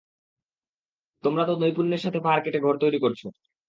তোমরা তো নৈপুণ্যের সাথে পাহাড় কেটে ঘর তৈরি করছ।